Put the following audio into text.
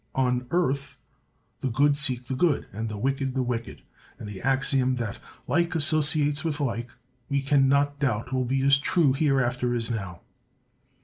On earth, the good seek the good, and the wicked the wicked: and the axiom that "like associates with like," we can not doubt will be as true hereafter as now.